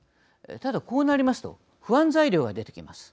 ただ、こうなりますと不安材料が出てきます。